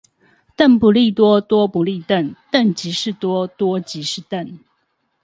鄧不利多，多不利鄧，鄧即是多，多即是鄧